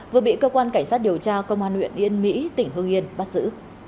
vừa bị cơ quan cảnh sát điều tra công an huyện yên mỹ tỉnh hương yên bắt giữ